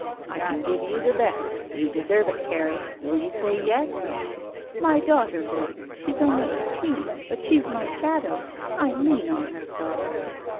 I can give you the best. You deserve it, Carrie. Will you say yes?" "My daughter. Loo. She's only eighteen, but she's my shadow — I lean on her so."